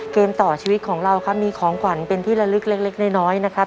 เกมต่อชีวิตของเราครับมีของขวัญเป็นที่ละลึกเล็กน้อยนะครับ